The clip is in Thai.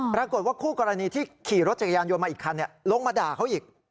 ปรากฏว่าคู่กรณีที่ขี่รถจักรยานยนต์มาอีกคันลงมาด่าเขาอีก